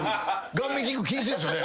顔面キック禁止ですよね？